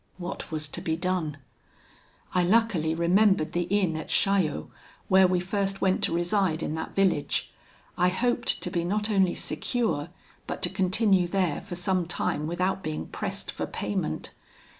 What was to be done? I luckily remembered the inn at Chaillot, where we first went to reside in that village. I hoped to be not only secure, but to continue there for some time without being pressed for payment.